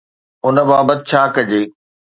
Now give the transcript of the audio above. ان بابت ڇا ڪجي؟